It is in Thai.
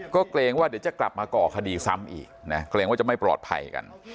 ก็เกรงว่าเดี๋ยวจะกลับมาก่อคดีซ้ำอีกนะเกรงว่าจะไม่ปลอดภัยกัน